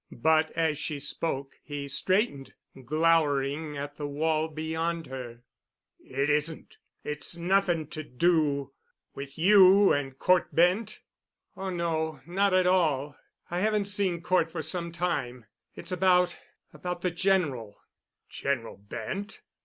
But as she spoke, he straightened, glowering at the wall beyond her. "It isn't—it's nothing—to do with you—and Cort Bent——?" "Oh, no, not at all. I haven't seen Cort for some time. It's about—about the General." "General Bent?"